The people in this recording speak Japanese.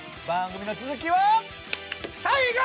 番組の続きははい！